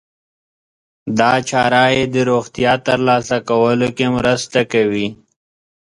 دا چاره يې د روغتیا ترلاسه کولو کې مرسته کوي.